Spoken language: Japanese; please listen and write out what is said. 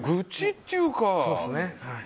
愚痴っていうか。